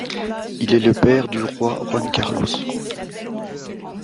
Il est le père du roi Juan Carlos.